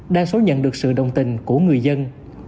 đa số nhận được sự đồng tình của người dân